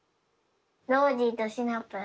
ノージーとシナプー。